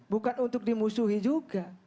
bukan untuk dimusuhi juga